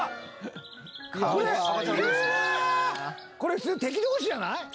普通敵同士じゃない？